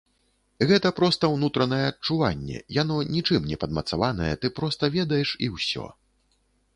Гэта проста ўнутранае адчуванне, яно нічым не падмацаванае, ты проста ведаеш і ўсё.